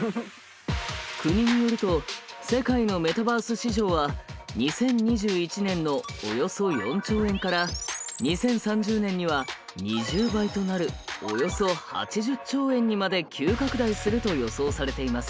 国によると世界のメタバース市場は２０２１年のおよそ４兆円から２０３０年には２０倍となるおよそ８０兆円にまで急拡大すると予想されています。